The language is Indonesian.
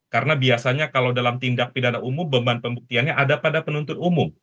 karena biasanya kalau dalam tindak pidana umum beban pembuktiannya ada pada penuntut umum